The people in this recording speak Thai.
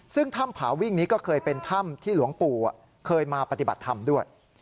ซึ่งถ้ำผาวิ่งนี้ก็เคยเป็นถ้ำที่หลวงปู่เคยมาปฏิบัติธรรมด้วย